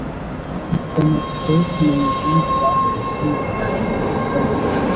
Mfite amatsiko yo kumenya impamvu bakuye izina ryanjye kurutonde.